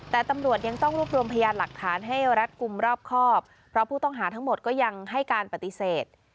แต่ตำรวจยังต้องรวบรวมพยานหลักฐานให้รัฐกลุ่มรอบครอบเพราะผู้ต้องหาทั้งหมดก็ยังให้การปฏิเสธ